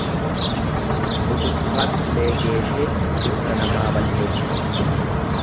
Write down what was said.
Rukuttaan ulee geeshee dirra nama balleessa.